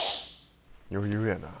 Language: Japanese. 余裕やな。